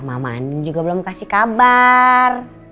mama juga belum kasih kabar